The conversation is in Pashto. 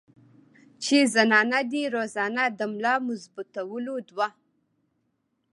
چې زنانه دې روزانه د ملا مضبوطولو دوه